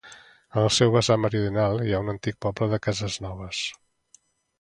En el seu vessant meridional hi ha l'antic poble de Casesnoves.